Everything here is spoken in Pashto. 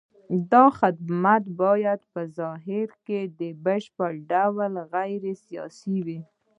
دا خدمات باید په ظاهر کې په بشپړ ډول غیر سیاسي وي.